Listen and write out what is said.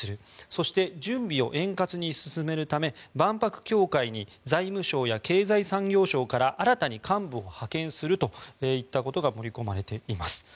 そして、準備を円滑に進めるため万博協会に財務省や経済産業省から新たに幹部を派遣するといったことが盛り込まれています。